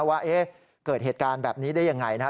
ว่าเกิดเหตุการณ์แบบนี้ได้อย่างไรนะ